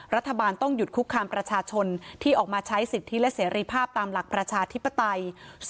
รัฐบาลต้องหยุดคุกคามประชาชนที่ออกมาใช้สิทธิและเสรีภาพตามหลักประชาธิปไตย